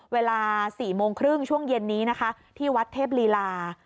เวลา๔โมงครึ่งช่วงเย็นนี้นะคะที่วัดเทพลีลา